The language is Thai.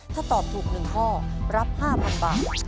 ถ้าตอบถูก๑ข้อรับ๕๐๐๐บาท